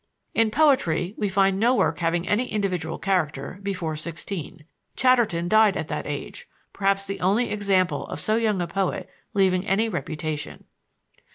In poetry we find no work having any individual character before sixteen. Chatterton died at that age, perhaps the only example of so young a poet leaving any reputation.